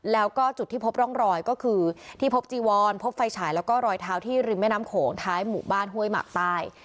แล้วก็จุดที่พบร่องรอยก็คือที่พบจีวอนพบไฟฉายแล้วก็รอยเท้าที่ริมแม่น้ำโขงท้ายหมู่บ้านห้วยหมากใต้